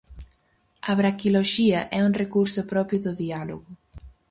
A braquiloxía é un recurso propio do diálogo.